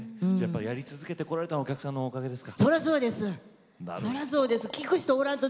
やり続けてきたのはお客さんのおかげですか。